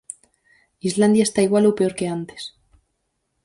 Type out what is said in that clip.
Islandia está igual ou peor que antes.